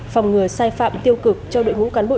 phòng ngừa sai phạm tiêu cực cho đội ngũ cán bộ